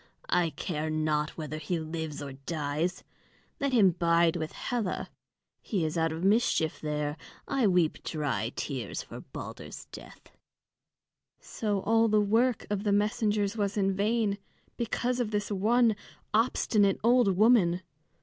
"I care not whether he lives or dies. Let him bide with Hela he is out of mischief there. I weep dry tears for Balder's death." So all the work of the messengers was in vain, because of this one obstinate old woman.